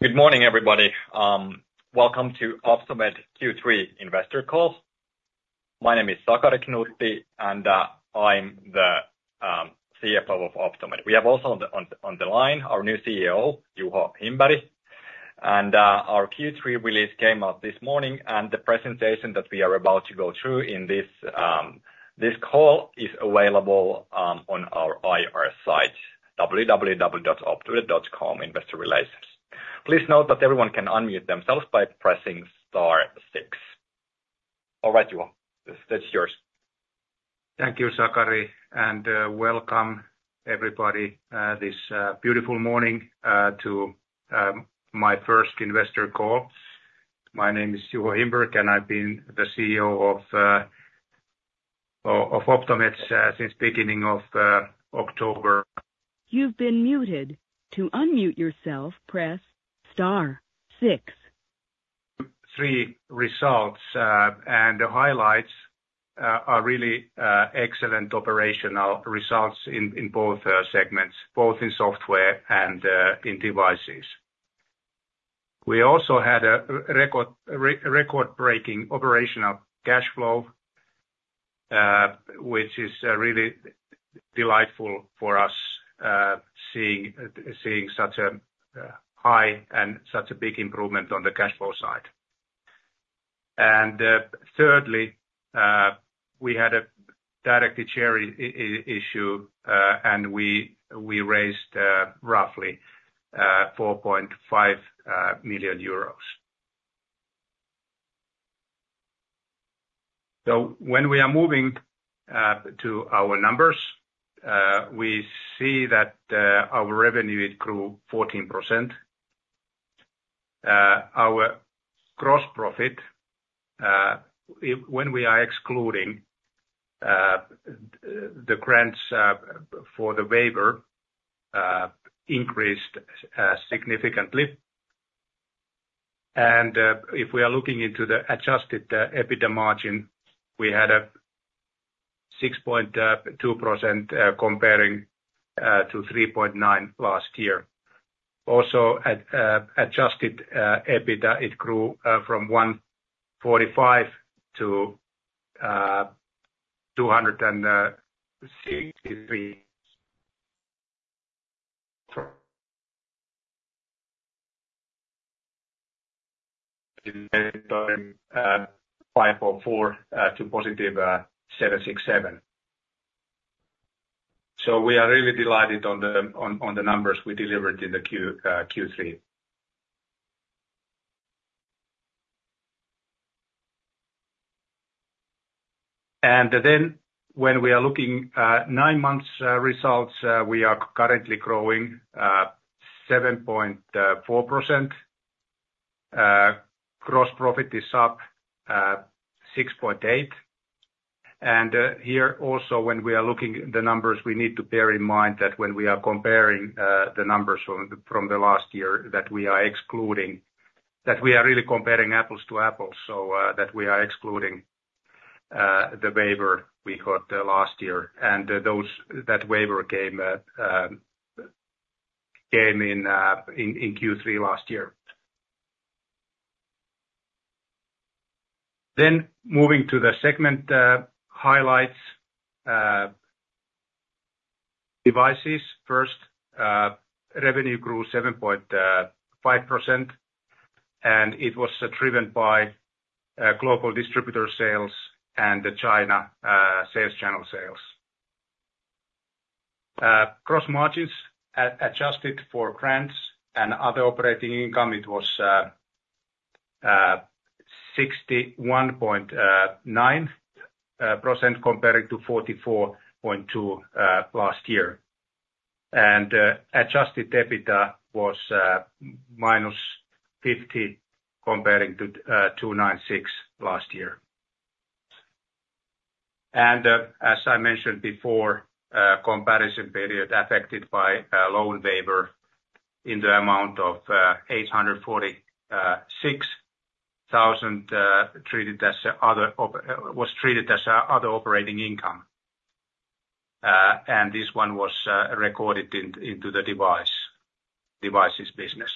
Good morning, everybody. Welcome to Optomed Q3 investor call. My name is Sakari Knuutti, and I'm the CFO of Optomed. We have also on the line our new CEO, Juho Himberg. Our Q3 release came out this morning, and the presentation that we are about to go through in this call is available on our IR site, www.optomed.com, investor relations. Please note that everyone can unmute themselves by pressing star six. All right, Juho, the stage is yours. Thank you, Sakari, and welcome everybody this beautiful morning to my first investor call. My name is Juho Himberg, and I've been the CEO of Optomed since beginning of October. You've been muted. To unmute yourself, press star six. Q3 results, and the highlights are really excellent operational results in both segments, both in software and in devices. We also had a record-breaking operational cash flow, which is really delightful for us, seeing such a high and such a big improvement on the cash flow side. And thirdly, we had a directed share issue, and we raised roughly EUR 4.5 million. So when we are moving to our numbers, we see that our revenue, it grew 14%. Our gross profit, when we are excluding the grants for the waiver, increased significantly. If we are looking into the adjusted EBITDA margin, we had a 6.2%, comparing to 3.9% last year. Also, at adjusted EBITDA, it grew from 145 to 263. 544 to positive 767. So we are really delighted on the numbers we delivered in the Q3. And then when we are looking nine months results, we are currently growing 7.4%. Gross profit is up 6.8%. Here also, when we are looking the numbers, we need to bear in mind that when we are comparing the numbers from last year, that we are excluding that we are really comparing apples to apples, so that we are excluding the waiver we got last year. And that waiver came in in Q3 last year. Then, moving to the segment highlights, devices first, revenue grew 7.5%, and it was driven by global distributor sales and the China sales channel sales. Gross margins, adjusted for grants and other operating income, it was 61.9% comparing to 44.2% last year. And adjusted EBITDA was -50 comparing to 296 last year. As I mentioned before, comparison period affected by a loan waiver in the amount of 846,000, treated as other operating income. And this one was recorded into the devices business.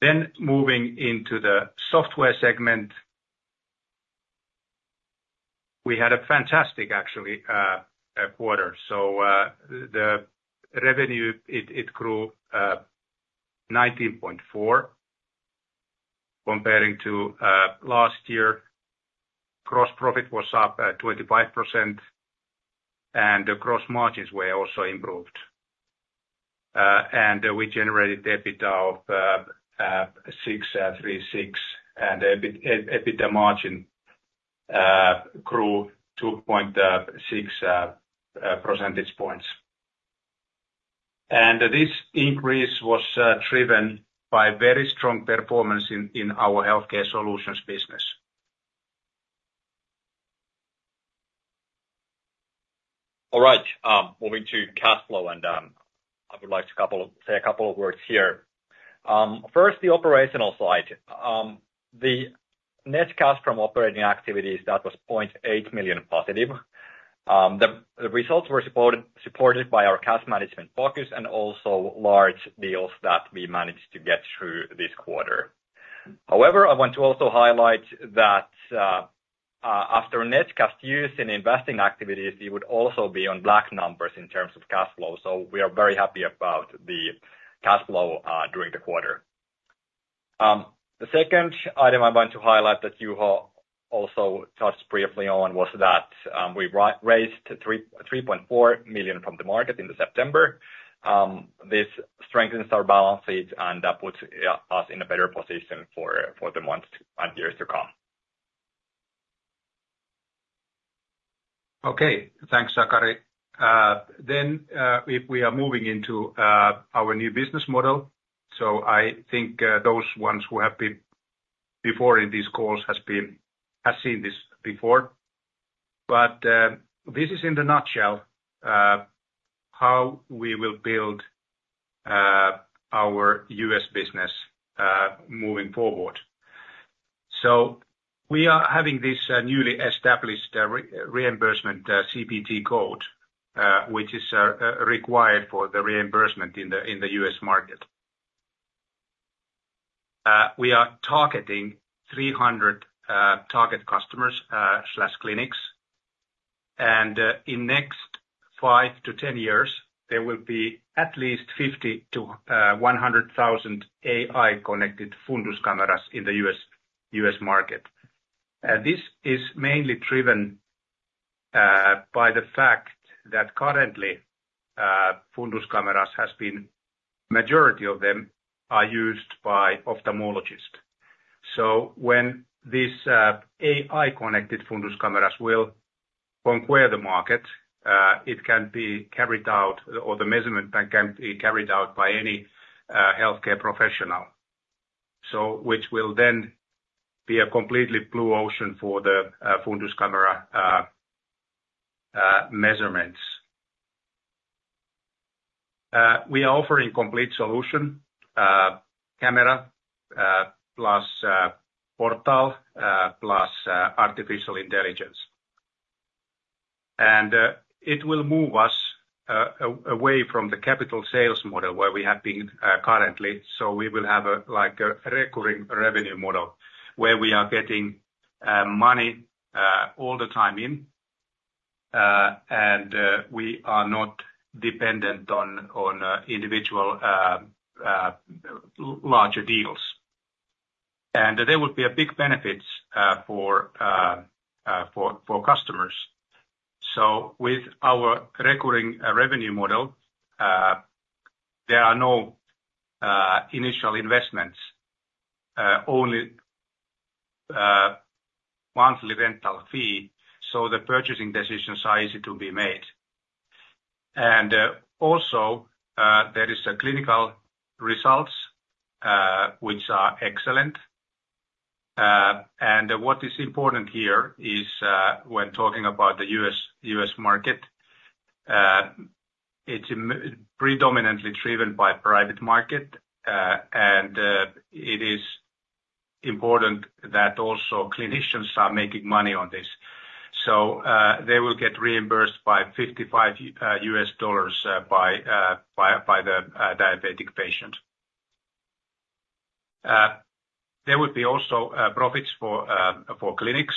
Then moving into the software segment, we had a fantastic, actually, quarter. So, the revenue grew 19.4, comparing to last year. Gross profit was up 25%, and the gross margins were also improved. And we generated EBITDA of 63,000, and EBITDA margin grew 2.6 percentage points. And this increase was driven by very strong performance in our healthcare solutions business. All right, moving to cash flow, and I would like to say a couple of words here. First, the operational slide. The net cash from operating activities, that was 0.8 million positive. The results were supported by our cash management focus and also large deals that we managed to get through this quarter. However, I want to also highlight that, after net cash use in investing activities, it would also be in the black in terms of cash flow. So we are very happy about the cash flow during the quarter. The second item I want to highlight, that Juho also touched briefly on, was that, we raised 3.4 million from the market in September. This strengthens our balance sheet, and that puts us in a better position for the months and years to come. Okay, thanks, Sakari. Then, if we are moving into our new business model, so I think those ones who have been before in these calls has seen this before. But this is in a nutshell how we will build our US business moving forward. So we are having this newly established reimbursement CPT code, which is required for the reimbursement in the US market. We are targeting 300 target customers slash clinics, and in next 5-10 years, there will be at least 50,000-100,000 AI-connected fundus cameras in the US market. And this is mainly driven by the fact that currently fundus cameras has been, majority of them are used by ophthalmologists. So when this AI-connected fundus cameras will conquer the market, it can be carried out, or the measurement can be carried out by any healthcare professional, so which will then be a completely blue ocean for the fundus camera measurements. We are offering complete solution, camera plus portal plus artificial intelligence. And it will move us away from the capital sales model, where we have been currently. So we will have a like a recurring revenue model, where we are getting money all the time, and we are not dependent on individual larger deals. And there will be a big benefits for customers. So with our recurring revenue model, there are no initial investments, only monthly rental fee, so the purchasing decisions are easy to be made. And also, there is a clinical results, which are excellent. And what is important here is, when talking about the U.S. market, it's predominantly driven by private market, and it is important that also clinicians are making money on this. So, they will get reimbursed by $55, by the diabetic patient. There would be also profits for clinics,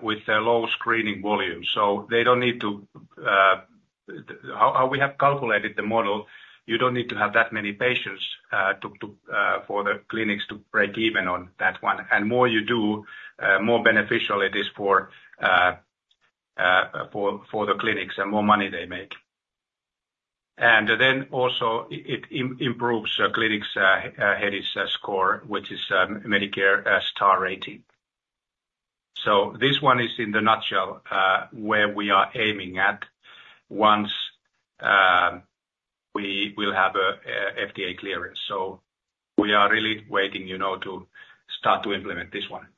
with their low screening volume. So they don't need to... How we have calculated the model, you don't need to have that many patients, to for the clinics to break even on that one. And the more you do, the more beneficial it is for the clinics and more money they make. And then also, it improves clinics' HEDIS score, which is Medicare star rating. So this one is in a nutshell where we are aiming at once we will have FDA clearance. So we are really waiting, you know, to start to implement this one.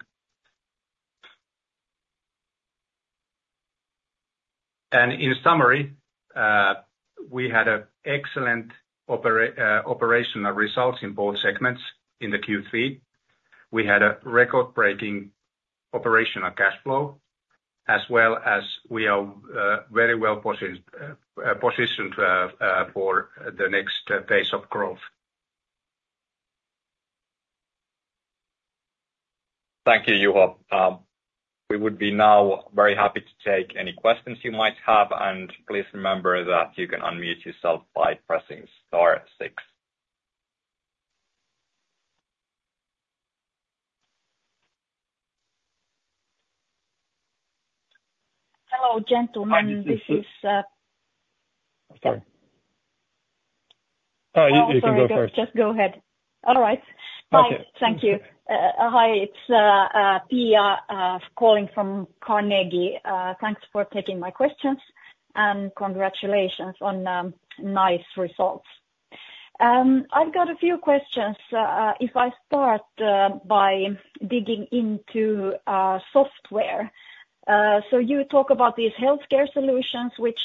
And in summary, we had an excellent operational results in both segments in the Q3. We had a record-breaking operational cash flow, as well as we are very well positioned for the next phase of growth. Thank you, Juho. We would be now very happy to take any questions you might have, and please remember that you can unmute yourself by pressing star six. Hello, gentlemen- Hi This is, Sorry. You can go first. Oh, sorry. Just go ahead. All right. Okay. Hi, thank you. Hi, it's Pia calling from Carnegie. Thanks for taking my questions, and congratulations on nice results. I've got a few questions. If I start by digging into software. So you talk about these healthcare solutions which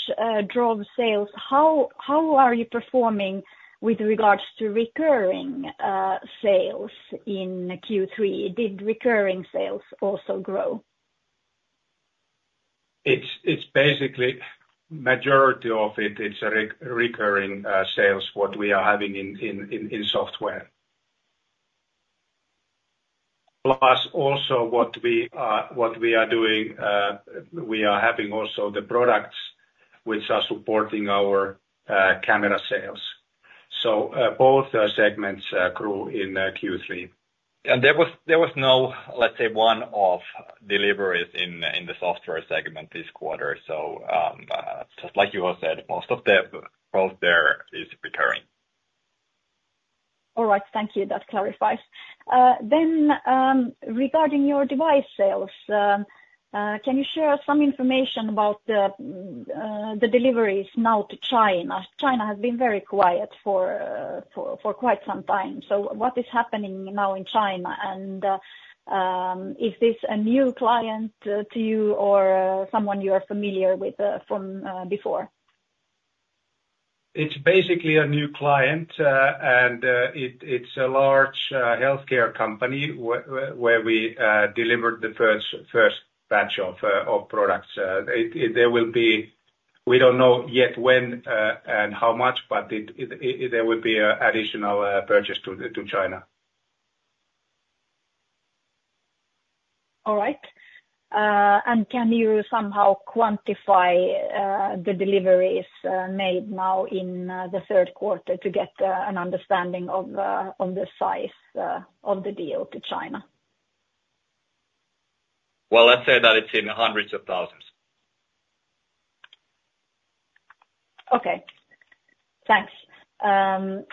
drove sales. How are you performing with regards to recurring sales in Q3? Did recurring sales also grow? It's basically majority of it, it's recurring sales what we are having in software. Plus, also what we are doing, we are having also the products which are supporting our camera sales. So, both segments grew in Q3. There was no, let's say, one-off deliveries in the software segment this quarter. So, just like you all said, most of the growth there is recurring. All right. Thank you. That clarifies. Then, regarding your device sales, can you share some information about the deliveries now to China? China has been very quiet for quite some time. So what is happening now in China? And, is this a new client to you or someone you are familiar with from before? It's basically a new client, and it's a large healthcare company where we delivered the first batch of products. There will be... We don't know yet when and how much, but there will be an additional purchase to China. All right. And can you somehow quantify, the deliveries, made now in, the third quarter to get, an understanding of, on the size, of the deal to China? Well, let's say that it's in hundreds of thousands. Okay, thanks. Then,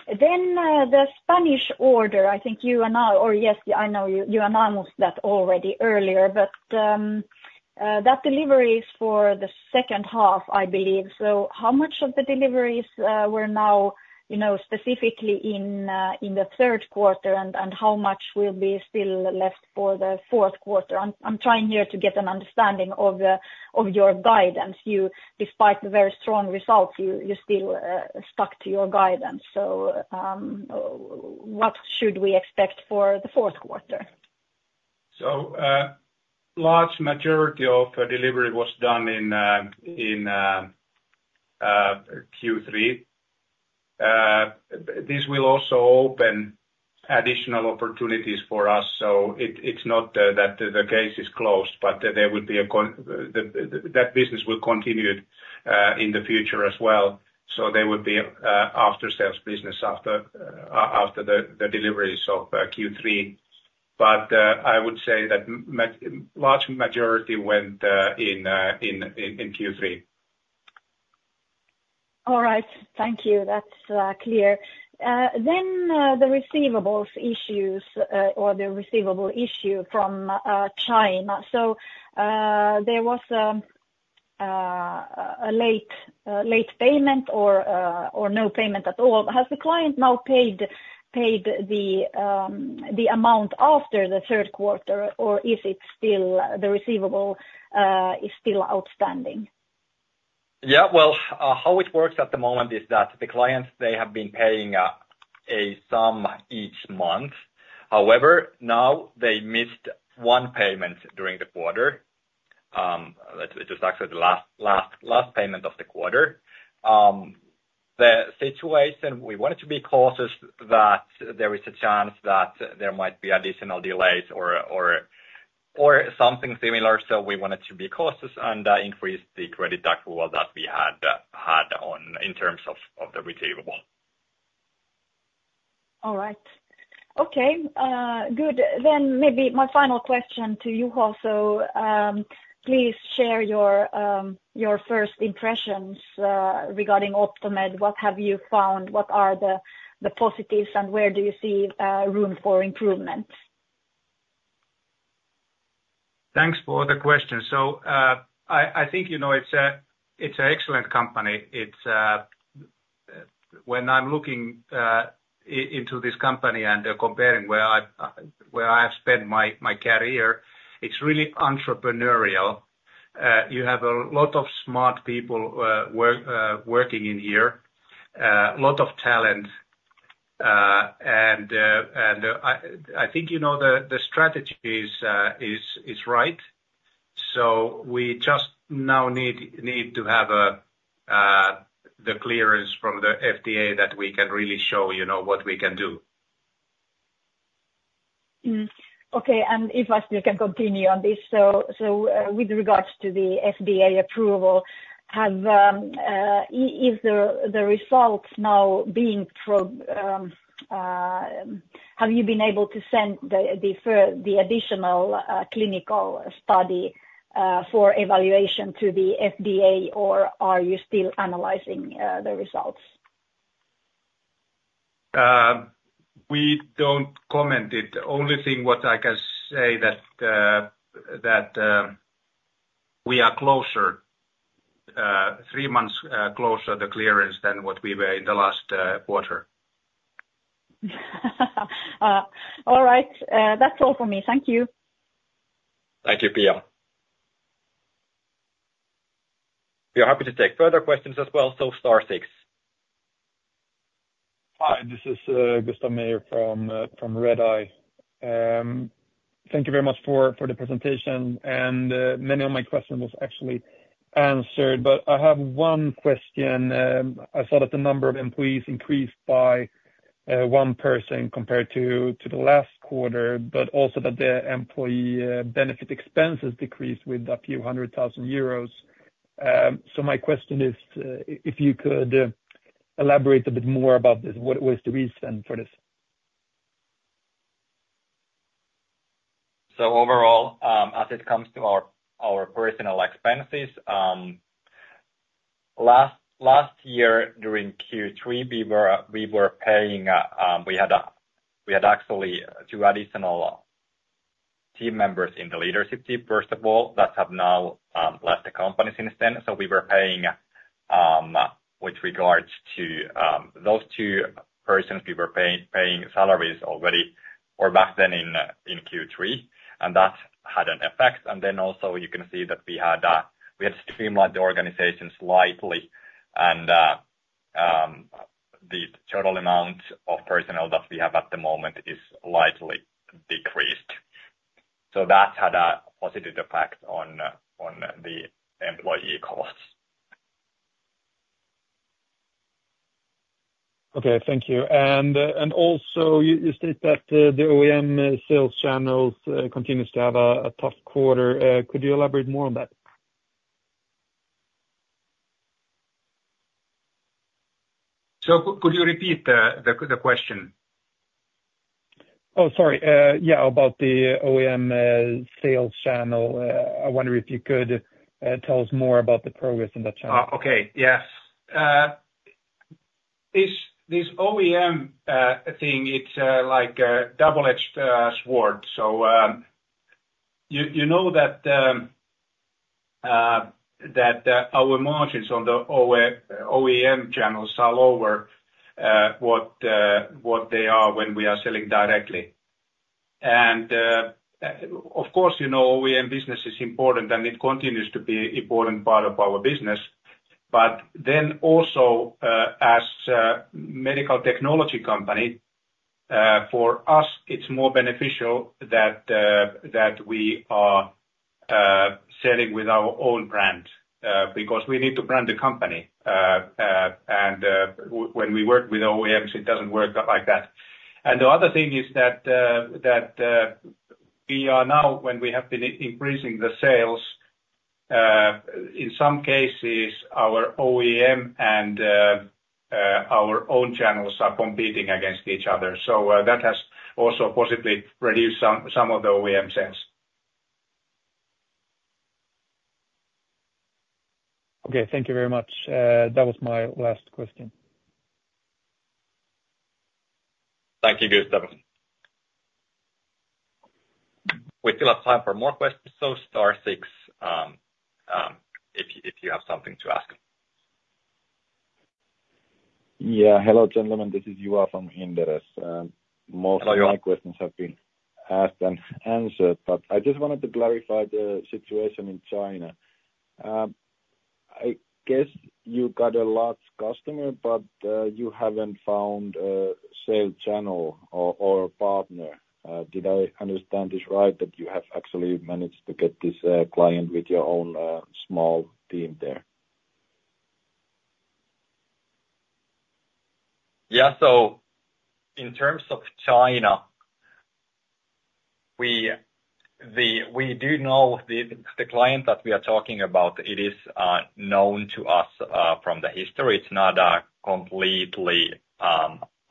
the Spanish order, I think you announced or, yes, I know you, you announced that already earlier, but that delivery is for the second half, I believe. So how much of the deliveries were now, you know, specifically in the third quarter, and how much will be still left for the fourth quarter? I'm trying here to get an understanding of your guidance. You, despite the very strong results, you still stuck to your guidance. So, what should we expect for the fourth quarter? So, large majority of the delivery was done in Q3. This will also open additional opportunities for us, so it's not that the case is closed, but there will be a that business will continue in the future as well. So there will be after-sales business after the deliveries of Q3. But I would say that large majority went in Q3. All right. Thank you. That's clear. Then, the receivables issues or the receivable issue from China. So, there was a late payment or no payment at all. Has the client now paid the amount after the third quarter, or is it still, the receivable is still outstanding? Yeah, well, how it works at the moment is that the clients, they have been paying a sum each month. However, now they missed one payment during the quarter. It was actually the last payment of the quarter. The situation, we wanted to be cautious that there is a chance that there might be additional delays or something similar. So we wanted to be cautious and increase the credit approval that we had on in terms of the receivable. All right. Okay, good. Then maybe my final question to you also, please share your, your first impressions, regarding Optomed. What have you found? What are the, the positives, and where do you see, room for improvement? Thanks for the question. So, I think, you know, it's a excellent company. It's when I'm looking into this company and comparing where I have spent my career, it's really entrepreneurial. You have a lot of smart people working here, lot of talent. And I think, you know, the strategy is right. So we just now need to have the clearance from the FDA that we can really show, you know, what we can do. Okay, and if I still can continue on this, so, with regards to the FDA approval, have is the results now being from...? Have you been able to send the additional clinical study for evaluation to the FDA, or are you still analyzing the results? We don't comment on it. The only thing what I can say is that we are 3 months closer to the clearance than what we were in the last quarter. All right, that's all for me. Thank you. Thank you, Pia. We are happy to take further questions as well, so star six. Hi, this is Gustaf Meyer from Redeye. Thank you very much for the presentation, and many of my question was actually answered, but I have one question. I saw that the number of employees increased by one person compared to the last quarter, but also that the employee benefit expenses decreased with a few hundred thousand EUR. So my question is, if you could elaborate a bit more about this, what was the reason for this? So overall, as it comes to our personnel expenses, last year, during Q3, we were paying, we had actually two additional team members in the leadership team, first of all, that have now left the company since then. So we were paying, with regards to those two persons, we were paying salaries already or back then in Q3, and that had an effect. And then also you can see that we had streamlined the organization slightly and the total amount of personnel that we have at the moment is slightly decreased. So that had a positive effect on the employee costs. Okay. Thank you. And also, you state that the OEM sales channels continues to have a tough quarter. Could you elaborate more on that? So could you repeat the question? Oh, sorry. Yeah, about the OEM sales channel. I wonder if you could tell us more about the progress in that channel. Okay. Yes. This OEM thing, it's like a double-edged sword. So, you know that our margins on the OEM channels are lower what they are when we are selling directly. Of course, you know, OEM business is important, and it continues to be important part of our business. Then also, as medical technology company, for us, it's more beneficial that we are selling with our own brand, because we need to brand the company. And when we work with OEMs, it doesn't work like that. And the other thing is that we are now, when we have been increasing the sales, in some cases, our OEM and our own channels are competing against each other. So, that has also possibly reduced some of the OEM sales. Okay, thank you very much. That was my last question. Thank you, Gustaf. We still have time for more questions, so star six, if you have something to ask. Yeah. Hello, gentlemen, this is Juha from Inderes. Hello Most of my questions have been asked and answered, but I just wanted to clarify the situation in China. I guess you got a large customer, but you haven't found a sale channel or partner. Did I understand this right, that you have actually managed to get this client with your own small team there? Yeah. So in terms of China, we do know the client that we are talking about, it is known to us from the history. It's not a completely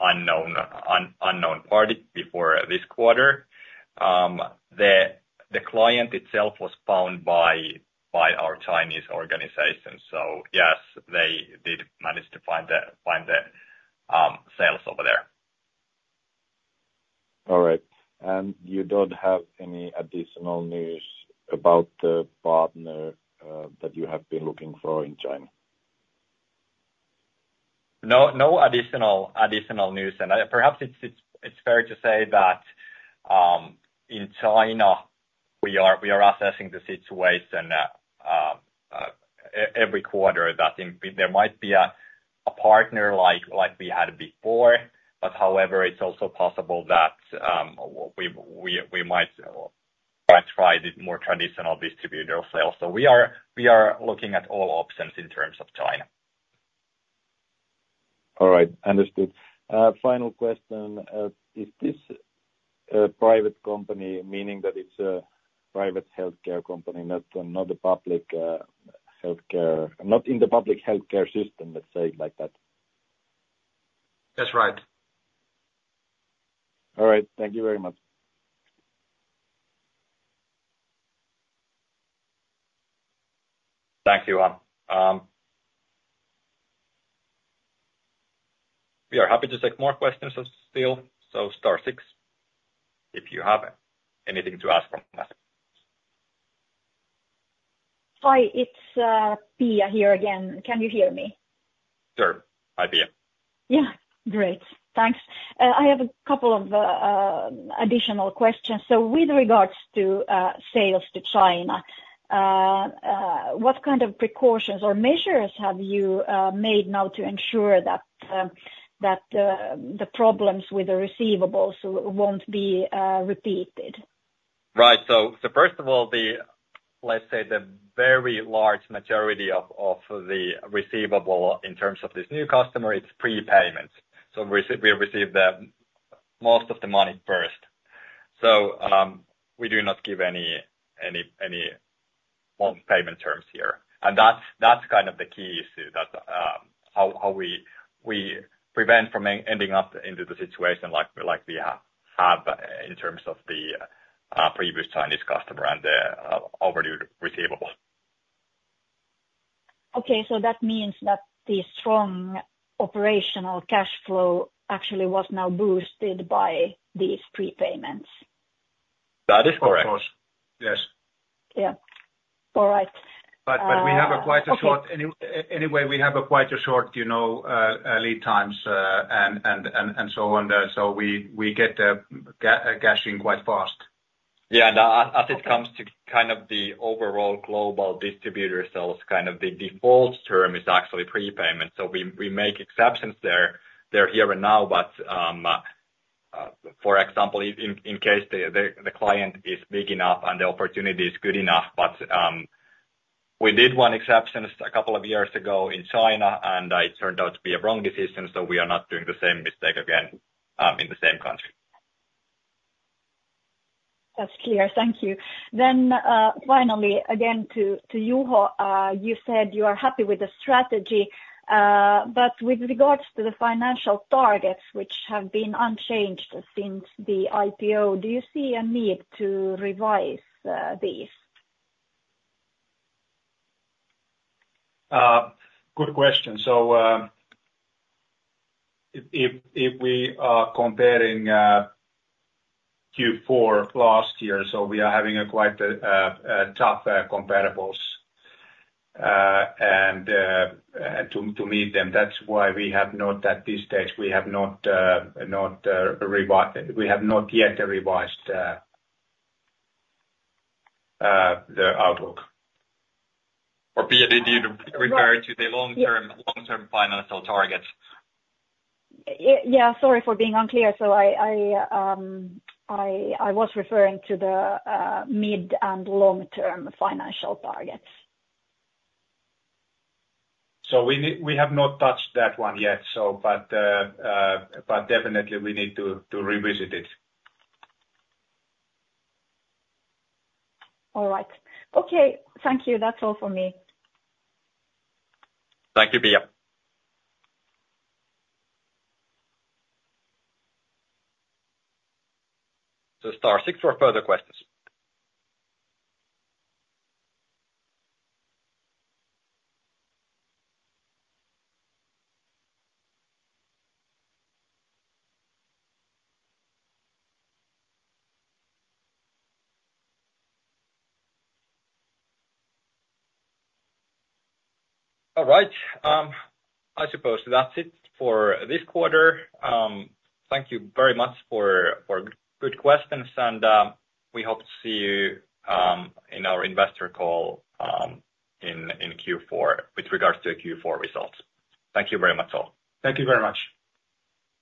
unknown party before this quarter. The client itself was found by our Chinese organization, so yes, they did manage to find the sales over there. All right. You don't have any additional news about the partner that you have been looking for in China? No, no additional news. Perhaps it's fair to say that in China, we are assessing the situation every quarter, that there might be a partner like we had before. However, it's also possible that we might try the more traditional distributor sales. We are looking at all options in terms of China. All right. Understood. Final question. Is this a private company, meaning that it's a private healthcare company, not a public healthcare, not in the public healthcare system, let's say it like that? That's right. All right. Thank you very much. Thank you, we are happy to take more questions as still, so star six, if you have anything to ask from us. Hi, it's Pia here again. Can you hear me? Sure. Hi, Pia. Yeah. Great, thanks. I have a couple of additional questions. So with regards to sales to China, what kind of precautions or measures have you made now to ensure that the problems with the receivables won't be repeated? Right. So first of all, let's say, the very large majority of the receivable in terms of this new customer, it's prepayment. So we receive the most of the money first. So we do not give any long payment terms here. And that's kind of the key issue that how we prevent from ending up into the situation like we have in terms of the previous Chinese customer and the overdue receivables. Okay. So that means that the strong operational cash flow actually was now boosted by these prepayments? That is correct. Of course, yes. Yeah. All right, But we have quite a short- Okay. Anyway, we have quite a short, you know, lead times, and so on. So we get the cash in quite fast. Yeah, and as it comes to kind of the overall global distributor sales, kind of the default term is actually prepayment. So we make exceptions there here and now, but for example, in case the client is big enough and the opportunity is good enough, but we did one exception a couple of years ago in China, and it turned out to be a wrong decision, so we are not doing the same mistake again in the same country. That's clear. Thank you. Then, finally, again, to you, you said you are happy with the strategy, but with regards to the financial targets, which have been unchanged since the IPO, do you see a need to revise these? Good question. So, if we are comparing Q4 last year, so we are having quite tough comparables, and to meet them. That's why we have not, at this stage, we have not yet revised the outlook. Or Pia, did you refer to the long-term, long-term financial targets? Yeah. Sorry for being unclear. So I was referring to the mid and long-term financial targets. So we have not touched that one yet, so but, but definitely we need to revisit it. All right. Okay, thank you. That's all for me. Thank you, Pia. So star six for further questions. All right, I suppose that's it for this quarter. Thank you very much for good questions and we hope to see you in our investor call in Q4 with regards to Q4 results. Thank you very much, all. Thank you very much.